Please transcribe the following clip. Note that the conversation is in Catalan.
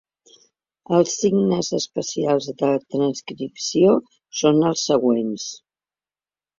Els signes especials de transcripció són els següents.